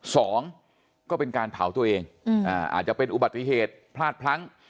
สองก็เป็นการเผาตัวเองอาจจะเป็นอุบัติเหตุพลาดพลั้ง